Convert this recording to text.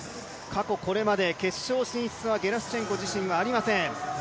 過去これまで決勝進出は、ゲラシュチェンコ自身はありません。